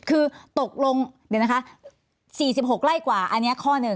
คือตกลง๔๖ไร่กว่าอันเนี่ยข้อ๑